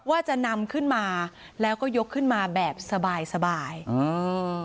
ว่าจะนำขึ้นมาแล้วก็ยกขึ้นมาแบบสบายสบายอ่า